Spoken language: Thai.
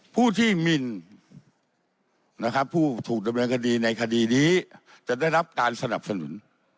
ผู้ที่มินนะครับผู้ถูกดำเนินคดีในคดีนี้จะได้รับการสนับสนุน